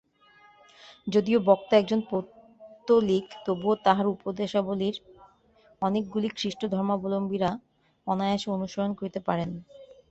যদিও বক্তা একজন পৌত্তলিক, তবুও তাঁহার উপদেশাবলীর অনেকগুলি খ্রীষ্টধর্মাবলম্বীরা অনায়াসে অনুসরণ করিতে পারেন।